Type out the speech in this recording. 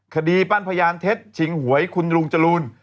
คดีปั้นพยานเท็จฉิงหวยคุณลุงจรูน